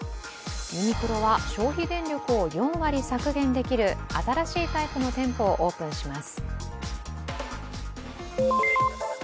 ユニクロは消費電力を４割削減できる新しいタイプの店舗をオープンします。